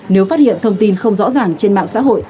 nếu phát hiện thông tin không rõ ràng trên mạng xã hội